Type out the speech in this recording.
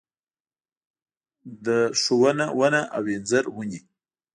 د ښونه ونه او انځر ونې